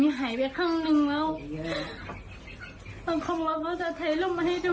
ไม่น่าดูเขาเลยไม่ไทร